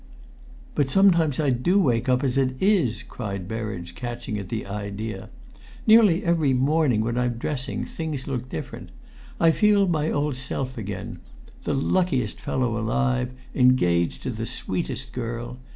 "But sometimes I do wake up, as it is!" cried Berridge, catching at the idea. "Nearly every morning, when I'm dressing, things look different. I feel my old self again the luckiest fellow alive engaged to the sweetest girl!